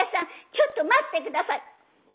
ちょっと待って下さい！」。